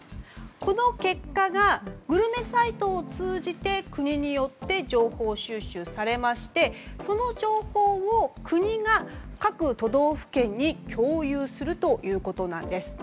この結果がグルメサイトを通じて国によって情報収集されましてその情報を国が各都道府県に共有するということです。